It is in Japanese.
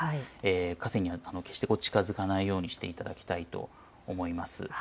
河川には決して近づかないようにしていただきたいと思います。